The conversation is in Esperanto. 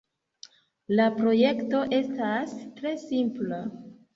La projekto estas tre simpla.